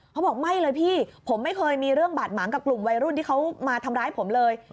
เขาบอกไม่เลยพี่ผมไม่เคยมีเรื่องบาดหมางกับกลุ่มวัยรุ่นที่เขามาทำร้ายผมเลย